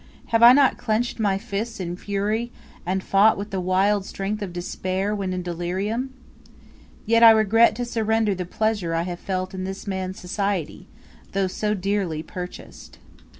Have I not clenched my fists in fury, and fought with the wild strength of despair when in delirium? Yet, I regret to surrender the pleasure I have felt in this man's society, though so dearly purchased.